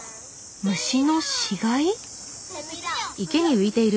虫の死骸？